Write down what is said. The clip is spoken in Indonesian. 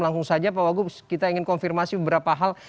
langsung saja pak wagub kita ingin konfirmasi beberapa hal